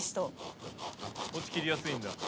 こっち切りやすいんだ。